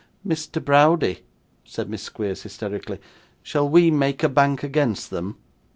'Mr. Browdie,' said Miss Squeers hysterically, 'shall we make a bank against them?